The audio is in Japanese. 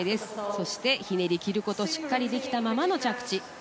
そして、ひねり切ることをしっかりできたままの着地。